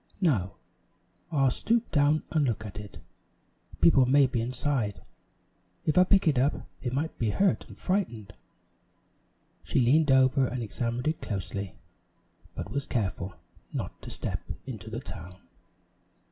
No, I'll stoop down and look at it. People may be inside. If I picked it up they might be hurt and frightened." She leaned over and examined it closely, but was careful not to step into the town.